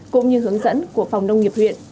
cũng như hướng dẫn của phòng đông nghiệp huyện